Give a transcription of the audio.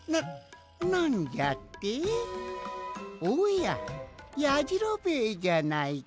おややじろべえじゃないか。